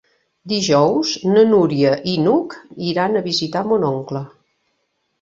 Dijous na Núria i n'Hug iran a visitar mon oncle.